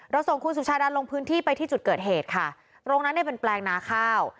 ส่งคุณสุชาดาลงพื้นที่ไปที่จุดเกิดเหตุค่ะตรงนั้นเนี่ยเป็นแปลงนาข้าว